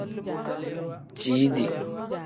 Ciidi.